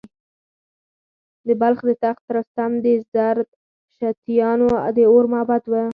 د بلخ د تخت رستم د زردشتیانو د اور معبد و